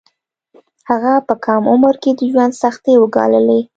هغه په کم عمر کې د ژوند سختۍ وګاللې